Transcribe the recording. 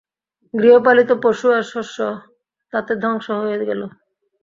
গৃহপালিত পশু আর শষ্য তাতে ধ্বংস হয়ে গেল।